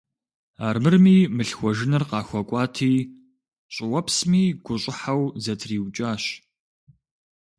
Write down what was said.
Армырми мылъхуэжыныр къахуэкӀуати, щӀыуэпсми гущӀыхьэу зэтриукӀащ.